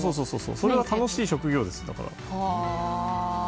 それは楽しい職業です。